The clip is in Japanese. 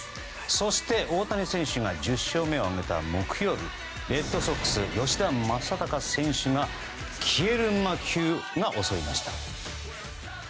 そして、大谷選手が１０勝目を挙げた木曜日レッドソックス、吉田正尚選手に消える魔球が襲いました。